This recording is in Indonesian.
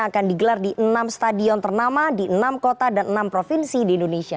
akan digelar di enam stadion ternama di enam kota dan enam provinsi di indonesia